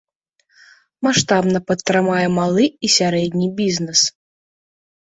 Маштабна падтрымаем малы і сярэдні бізнэс.